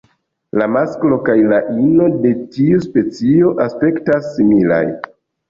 La masklo kaj la ino de tiu specio aspektis similaj.